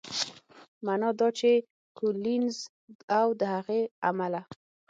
معنا دا چې کولینز او د هغې عمله